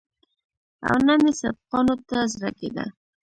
او نه مې سبقانو ته زړه کېده.